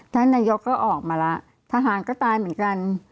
ท่านนายกก็ออกมาแล้วทหารก็ตายเหมือนกัน